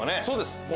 そうです。